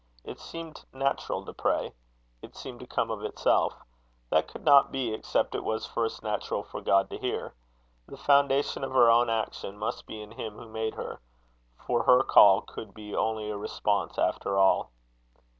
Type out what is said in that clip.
It seemed natural to pray; it seemed to come of itself: that could not be except it was first natural for God to hear. The foundation of her own action must be in him who made her; for her call could be only a response after all.